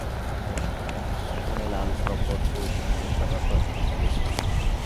এখানে লাল প্রকট বৈশিষ্ট্য ও সাদা প্রচ্ছন্ন বৈশিষ্ট্য।